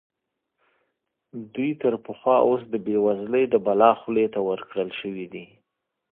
دوی تر پخوا اوس د بېوزلۍ د بلا خولې ته ورکړل شوي دي.